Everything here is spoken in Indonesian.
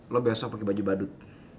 lo besok pake baju badut